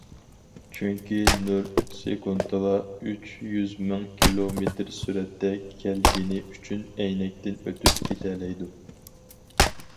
چۈنكى نۇر سېكۇنتىغا ئۈچ يۈز مىڭ كىلومېتىر سۈرئەتتە كەلگىنى ئۈچۈن ئەينەكتىن ئۆتۈپ كېتەلەيدۇ.